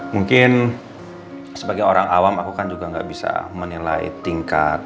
mungkin sebagai orang awam aku kan juga nggak bisa menilai tingkat